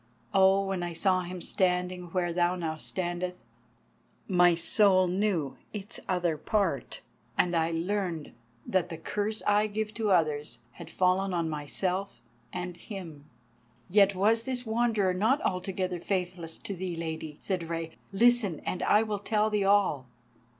Oh, when I saw him standing where now thou standest, my soul knew its other part, and I learned that the curse I give to others had fallen on myself and him." "Yet was this Wanderer not altogether faithless to thee, Lady," said Rei. "Listen, and I will tell thee all."